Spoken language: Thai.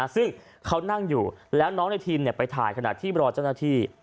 ซึ่งเขานั่งอยู่แล้วน้องในทีมไปถ่ายขณะที่รอเจ้าหน้าที่